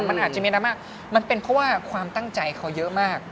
มันอาจจะมีดราม่ามันเป็นเพราะว่าความตั้งใจเขาเยอะมาก